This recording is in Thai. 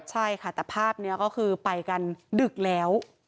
ใช่ค่ะแต่ภาพนี้ก็คือไปกันดึกแล้ว